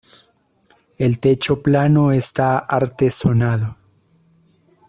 El techo plano está artesonado.